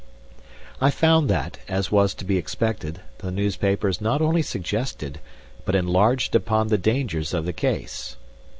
I found that, as was to be expected, the newspapers not only suggested, but enlarged upon the dangers of the case.